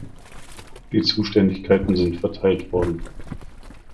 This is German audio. Die Zuständigkeiten sind verteilt worden.